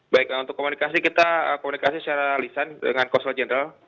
baik untuk komunikasi kita komunikasi secara lisan dengan konsulat jenderal